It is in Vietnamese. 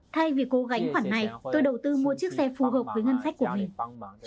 thay vì cố gánh khoản này tôi đầu tư mua chiếc xe phù hợp với ngân sách của mình